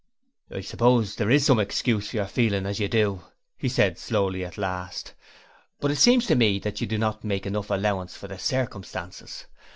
'I suppose there is some excuse for your feeling as you do,' he said slowly at last, 'but it seems to me that you do not make enough allowance for the circumstances.